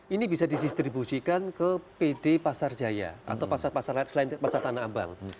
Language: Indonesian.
ini bisa distribusikan ke pd pasar jaya atau pasar pasar lain selain pasar tanah abang